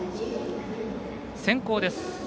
先攻です。